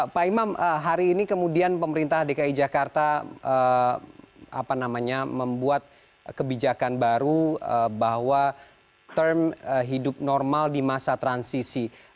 pak imam hari ini kemudian pemerintah dki jakarta membuat kebijakan baru bahwa term hidup normal di masa transisi